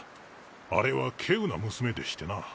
あれは稀有な娘でしてな。